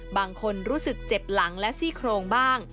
บางคนรู้สึกเจ็บหลังและซี่โครงบ้าง